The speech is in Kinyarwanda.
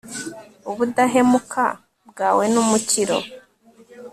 ubudahemuka bwawe n'umukiro